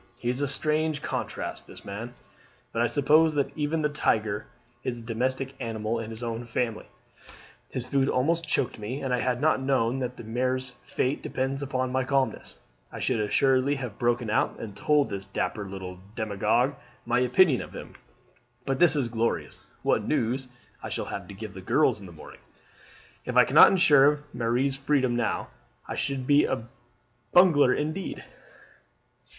He is a strange contrast, this man; but I suppose that even the tiger is a domestic animal in his own family. His food almost choked me, and had I not known that Marie's fate depends upon my calmness, I should assuredly have broken out and told this dapper little demagogue my opinion of him. But this is glorious! What news I shall have to give the girls in the morning! If I cannot ensure Marie's freedom now I should be a bungler indeed.